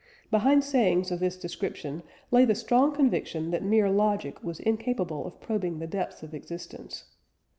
Behind sayings of this description lay the strong conviction that mere logic was incapable of probing the depths of existence.